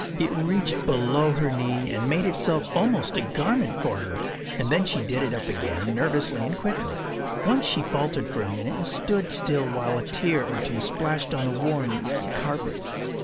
It reached below her knee and made itself almost a garment for her. And then she did it up again nervously and quickly. Once she faltered for a minute and stood still while a tear or two splashed on the worn red carpet.